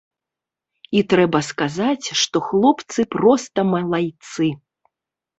І трэба сказаць, што хлопцы проста малайцы.